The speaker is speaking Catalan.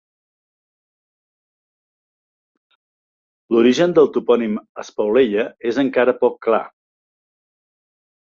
L'origen del topònim Espaulella és encara poc clar.